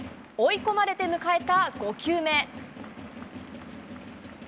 追い込まれて迎えた５球目。